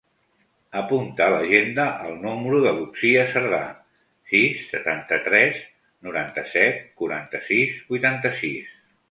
Apunta a l'agenda el número de l'Uxia Cerda: sis, setanta-tres, noranta-set, quaranta-sis, vuitanta-sis.